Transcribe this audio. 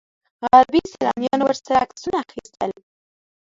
غربي سیلانیانو ورسره عکسونه اخیستل.